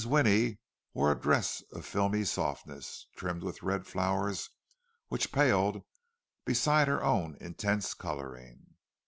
Winnie wore a dress of filmy softness, trimmed with red flowers which paled beside her own intenser colouring.